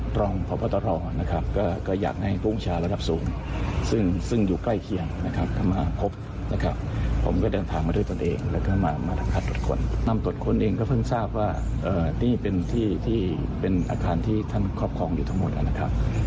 ทำตรวจค้นเองก็เพิ่งทราบว่านี่เป็นอาคารที่ท่านครอบครองอยู่ทั้งหมดแล้วนะครับ